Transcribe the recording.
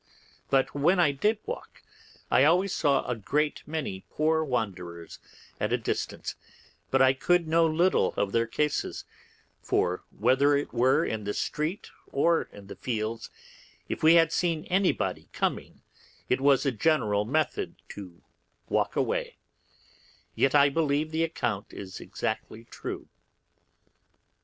But when I did walk, I always saw a great many poor wanderers at a distance; but I could know little of their cases, for whether it were in the street or in the fields, if we had seen anybody coming, it was a general method to walk away; yet I believe the account is exactly true.